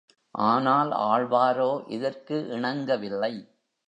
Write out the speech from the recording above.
ஆனால் ஆழ்வாரோ இதற்கு இணங்கவில்லை.